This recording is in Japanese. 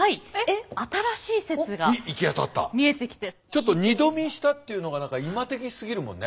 ちょっと二度見したっていうのが何か今的すぎるもんね。